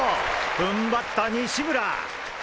踏ん張った西村！